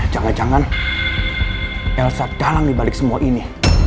jangan jangan elsa dalang dibalik semua ini